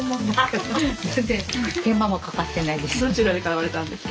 どちらで買われたんですか？